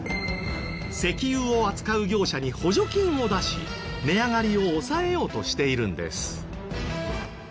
石油を扱う業者に補助金を出し値上がりを抑えようとしているんです。